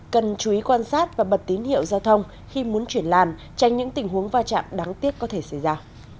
cần chú ý quan sát và bật tín hiệu giao thông khi muốn chuyển làn tránh những tình huống va chạm đáng tiếc có thể xảy ra